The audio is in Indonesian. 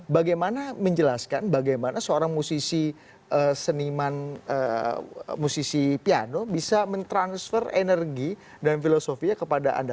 bagaimana menjelaskan bagaimana seorang musisi seniman musisi piano bisa mentransfer energi dan filosofinya kepada anda